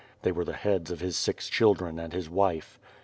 They were the heads of his six children and his wife.